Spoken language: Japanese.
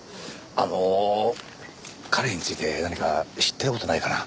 あの彼について何か知ってる事ないかな？